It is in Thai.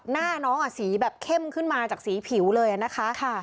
หน้าน้องสีแบบเข้มขึ้นมาจากสีผิวเลยนะคะ